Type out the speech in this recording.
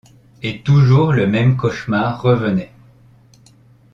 Et toujours le même cauchemar revenait.